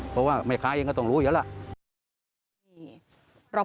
เพราะว่าแม่ค้าเองก็ต้องรู้อยู่แล้วล่ะ